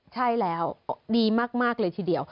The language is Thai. ใช่แล้วดีมากเลยทีเดียว